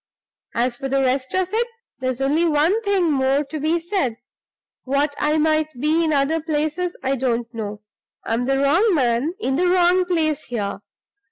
As for the rest of it, there's only one thing more to be said. What I might be in other places I don't know: I'm the wrong man in the wrong place here.